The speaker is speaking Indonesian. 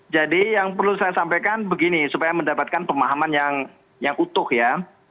jadi yang perlu saya sampaikan begini supaya mendapatkan pemahaman yang utuh ya